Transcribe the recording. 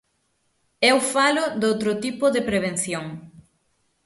Eu falo doutro tipo de prevención.